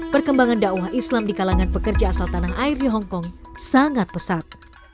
perkembangan dakwah islam di kalangan pekerja asal tanah air di hongkong sangat pesat